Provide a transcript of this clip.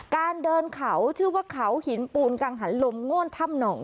เดินเขาชื่อว่าเขาหินปูนกังหันลมโง่นถ้ำหนอง